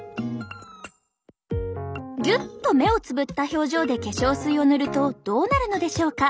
ギュッと目をつぶった表情で化粧水を塗るとどうなるのでしょうか？